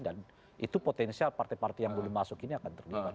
dan itu potensial partai partai yang belum masuk ini akan terlibat